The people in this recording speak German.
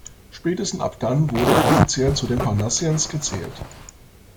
Spätestens ab dann wurde er offiziell zu den Parnassiens gezählt.